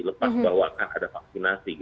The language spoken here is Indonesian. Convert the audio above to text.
lepas bahwa ada vaksinasi